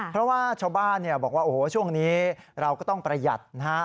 เพราะว่าชาวบ้านบอกว่าโอ้โหช่วงนี้เราก็ต้องประหยัดนะฮะ